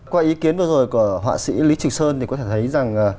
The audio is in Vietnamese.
qua ý kiến vừa rồi của họa sĩ lý trình sơn thì có thể thấy rằng